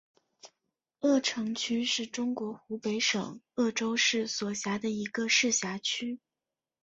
鄂城区是中国湖北省鄂州市所辖的一个市辖区。